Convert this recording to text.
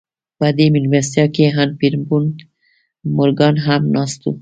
په دې مېلمستیا کې ان پیرپونټ مورګان هم ناست و